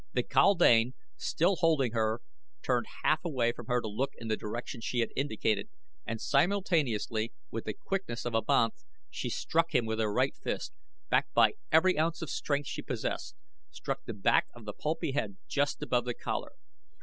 The kaldane, still holding her turned half away from her to look in the direction she had indicated and simultaneously, with the quickness of a banth, she struck him with her right fist, backed by every ounce of strength she possessed struck the back of the pulpy head just above the collar.